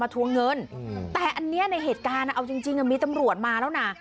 ทวงเงินแต่อันนี้ในเหตุการณ์เอาจริงมีตำรวจมาแล้วนะ